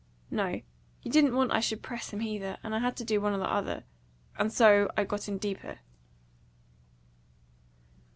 "No. You didn't want I should press him either; and I had to do one or the other. And so I got in deeper."